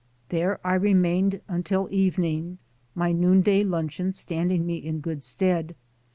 There I remained until evening, my noonday luncheon standing me in good stead.